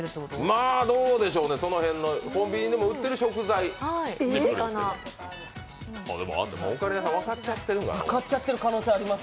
まぁ、どうでしょうね、その辺のコンビニでも売ってる食材です。